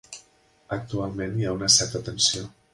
Actualment hi ha una certa tensió.